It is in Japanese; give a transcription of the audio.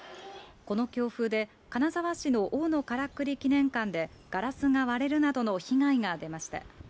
この強風で、金沢市の大野からくり記念館のガラスが割れるなどの被害が出ました。